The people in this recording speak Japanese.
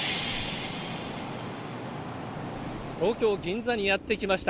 東京・銀座にやって来ました。